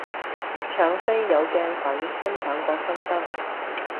搶飛有鏡粉分享過心得